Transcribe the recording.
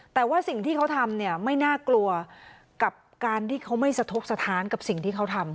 แต่ว่าสิ่งที่เขาทำเนี่ยไม่น่ากลัวกับการที่เขาไม่สะทกสถานกับสิ่งที่เขาทำ